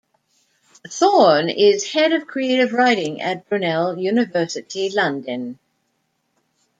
Thorne is Head of Creative Writing at Brunel University, London.